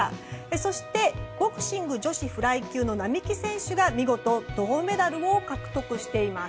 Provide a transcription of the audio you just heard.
そしてボクシング女子フライ級の並木選手が見事、銅メダルを獲得しています。